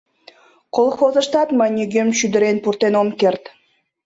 Колхозыштат мый нигӧм шӱдырен пуртен ом керт.